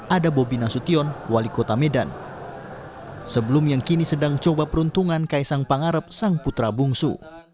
ada bobi nasution wali kota medan sebelum yang kini sedang coba peruntungan kaisang pangarep sang putra bungsu